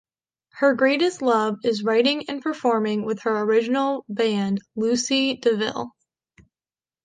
Her greatest love is writing and performing with her original band Lucy De Ville.